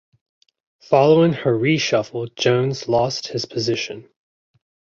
Following her re-shuffle Jones lost his position.